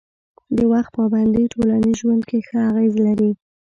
د وخت پابندي ټولنیز ژوند کې ښه اغېز لري.